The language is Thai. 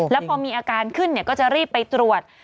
แล้วพอมีอาการขึ้นก็จะรีบไปตรวจ